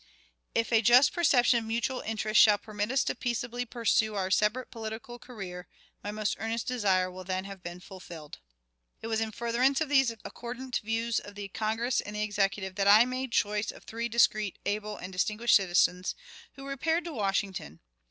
If a just perception of mutual interest shall permit us to peaceably pursue our separate political career, my most earnest desire will then have been fulfilled. "It was in furtherance of these accordant views of the Congress and the Executive, that I made choice of three discreet, able, and distinguished citizens, who repaired to Washington.